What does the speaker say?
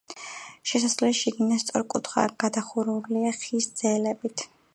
შესასვლელი შიგნიდან სწორკუთხაა, გადახურულია ხის ძელებით.